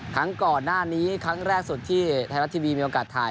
ครั้งก่อนหน้านี้ครั้งแรกสุดที่ไทยรัฐทีวีมีโอกาสถ่าย